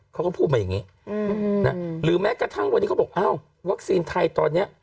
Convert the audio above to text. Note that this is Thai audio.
เขาก็พูดมาอย่างนี้หรือแม้กระทั่งวันนี้เขาบอกอ้าววัคซีนไทยตอนนี้